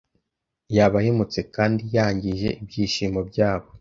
yaba ahemutse kandi yangije ibyishimo byabo.